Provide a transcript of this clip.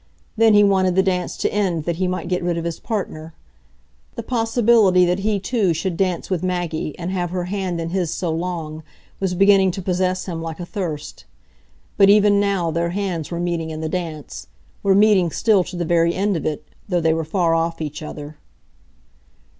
Then he wanted the dance to end that he might get rid of his partner. The possibility that he too should dance with Maggie, and have her hand in his so long, was beginning to possess him like a thirst. But even now their hands were meeting in the dance,—were meeting still to the very end of it, though they were far off each other.